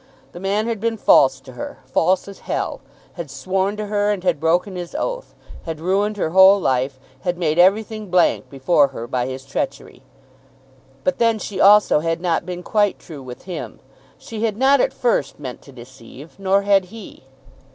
The man had been false to her, false as hell; had sworn to her and had broken his oath; had ruined her whole life; had made everything blank before her by his treachery! But then she also had not been quite true with him. She had not at first meant to deceive; nor had he.